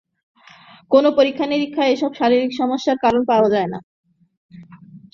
কোনো পরীক্ষা নিরীক্ষায় এসব শারীরিক সমস্যার কারণ পাওয়া যায় না।